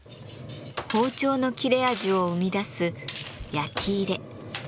包丁の切れ味を生み出す焼き入れ。